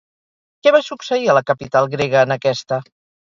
Què va succeir a la capital grega en aquesta?